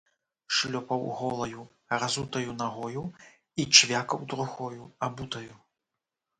Шлёпаў голаю, разутаю нагою і чвякаў другою, абутаю.